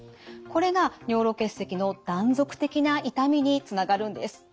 これが尿路結石の断続的な痛みにつながるんです。